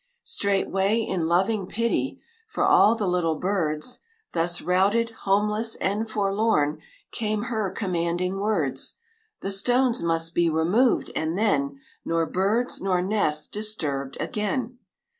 Straightway, in loving pity For all the little birds Thus routed, homeless, and forlorn, Came her commanding words, "The stones must be removed, and then Nor birds nor nests disturbed again."